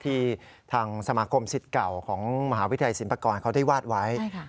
ที่ทางสมาคมสิทธิ์เก่าของมหาวิทยาลัยศิลปากรเขาได้วาดไว้